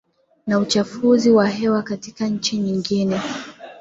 na uchafuzi wa hewa katika nchi nyingine